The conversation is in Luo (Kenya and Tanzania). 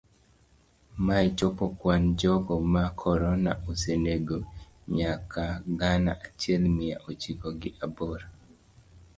Mae chopo kwan jogo ma corona osenego nyaka gana achiel mia ochiko gi aboro.